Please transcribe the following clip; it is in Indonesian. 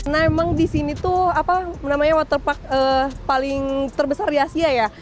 nah emang di sini tuh apa namanya waterpark paling terbesar di asia ya